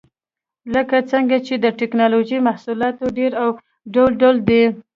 لکه څنګه چې د ټېکنالوجۍ محصولات ډېر او ډول ډول دي.